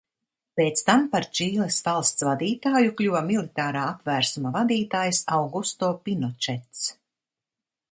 Pēc tam par Čīles valsts vadītāju kļuva militārā apvērsuma vadītājs Augusto Pinočets.